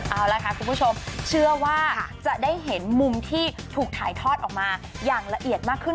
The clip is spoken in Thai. เอาละค่ะคุณผู้ชมเชื่อว่าจะได้เห็นมุมที่ถูกถ่ายทอดออกมาอย่างละเอียดมากขึ้น